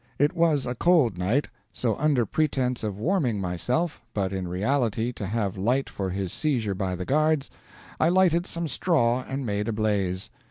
It was a cold night, so under pretence of warming myself, but in reality to have light for his seizure by the guards, I lighted some straw and made a blaze.